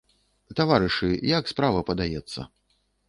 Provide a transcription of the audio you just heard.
Таварышы, як справа падаецца?